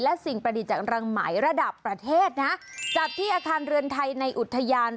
และสิ่งประดิษฐ์จากรังไหมระดับประเทศนะจัดที่อาคารเรือนไทยในอุทยาน